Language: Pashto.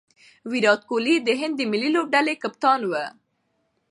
ویرات کهولي د هند د ملي لوبډلي کپتان وو.